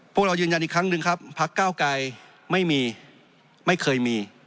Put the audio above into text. พวกเรายืนยันอีกครั้งหนึ่งครับพักเก้าไกรไม่มีไม่เคยมี